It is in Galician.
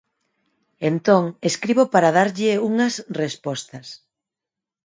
Entón, escribo para darlle unhas respostas.